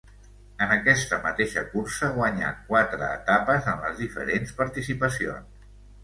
En aquesta mateixa cursa guanyà quatre etapes en les diferents participacions.